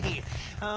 ああ。